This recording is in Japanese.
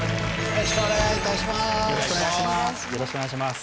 よろしくお願いします。